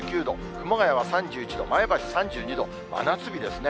熊谷は３１度、前橋３２度、真夏日ですね。